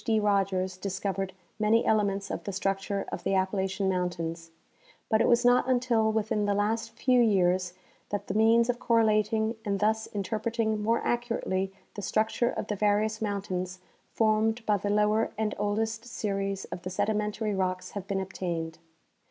D. Rogers discovered many elements of the structure of the Appalachian mountains ; but it was not until within the last few years that the means of correlating and thus interpreting more accurately the structure of the various mount ains formed by the lower and oldest series of the sedimentary rocks have been obtained.